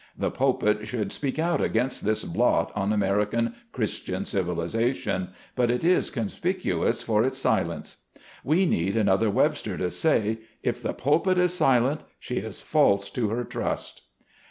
The pulpit should speak out against this blot on American Christian civilization, but it is conspicuous for its silence. We need another Webster to say, " If the pulpit is silent she is false to her trust."